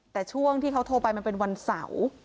แต่ช่วงที่เขาโทรไปมันเป็นวันเสาร์